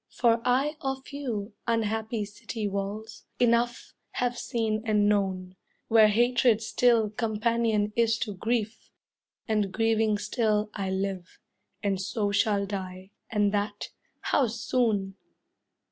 For I of you, unhappy city walls, Enough have seen and known; where hatred still Companion is to grief; and grieving still I live, and so shall die, and that, how soon!